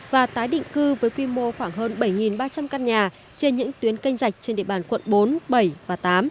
và tái định cư với quy mô khoảng hơn bảy ba trăm linh căn nhà trên những tuyến canh rạch trên địa bàn quận bốn bảy và tám